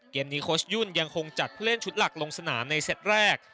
เกมนี้โค้ชยุ่นยังคงจัดผู้เล่นชุดหลักลงสนามในเซตแรก